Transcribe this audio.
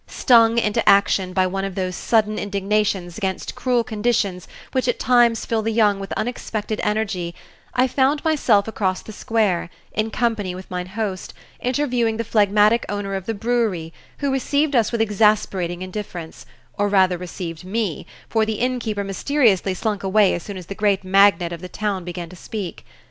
Stung into action by one of those sudden indignations against cruel conditions which at times fill the young with unexpected energy, I found myself across the square, in company with mine host, interviewing the phlegmatic owner of the brewery who received us with exasperating indifference, or rather received me, for the innkeeper mysteriously slunk away as soon as the great magnate of the town began to speak.